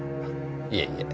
いえいえ。